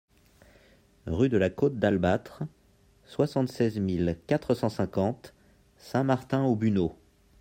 Rue de la Côte d'Albatre, soixante-seize mille quatre cent cinquante Saint-Martin-aux-Buneaux